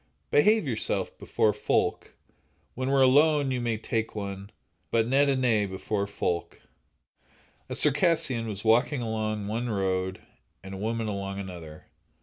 Behave yoursel' before folk, When we're alone, ye may tak' one, But nent a ane before folk. A Circassian was walking along one road, and a woman along another.